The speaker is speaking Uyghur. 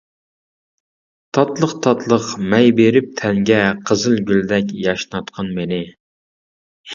تاتلىق-تاتلىق مەي بېرىپ تەنگە، قىزىلگۈلدەك ياشناتقىن مېنى.